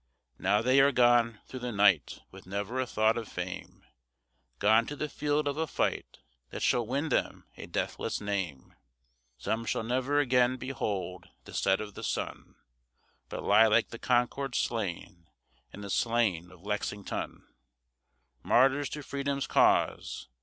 Now they are gone through the night with never a thought of fame, Gone to the field of a fight that shall win them a deathless name; Some shall never again behold the set of the sun, But lie like the Concord slain, and the slain of Lexington, Martyrs to Freedom's cause.